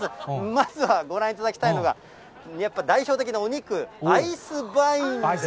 まずはご覧いただきたいのが、やっぱり代表的なお肉、アイスバインです。